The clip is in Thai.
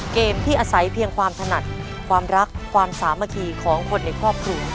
เกมที่อาศัยเพียงความถนัดความรักความสามัคคีของคนในครอบครัว